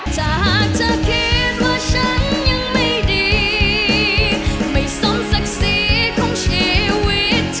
จากเธอคิดว่าฉันยังไม่ดีไม่สมศักดิ์ศรีของชีวิต